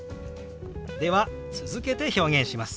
では続けて表現します。